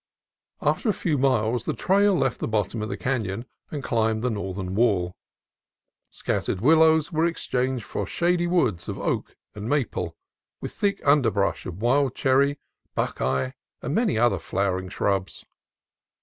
After a few miles the trail left the bottom of the canon and climbed the northern wall. Scattered willows were exchanged for shady woods of oak and maple, with thick underbrush of wild cherry, buck eye, and many other flowering shrubs.